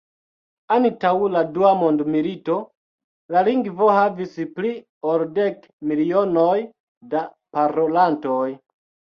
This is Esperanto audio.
Antaŭ la dua mondmilito, la lingvo havis pli ol dek milionoj da parolantoj.